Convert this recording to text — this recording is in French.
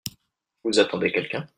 Vous attendez quelqu'un ?